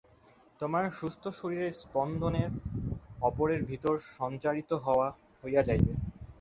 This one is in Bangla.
তোমার সুস্থ শরীরের স্পন্দন অপরের ভিতর সঞ্চারিত হইয়া যাইবে।